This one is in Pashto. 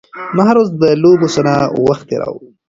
ما هره ورځ د لوبو سره وخت تېراوه.